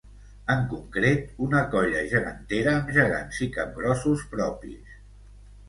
En concret, una colla gegantera amb gegants i capgrossos propis.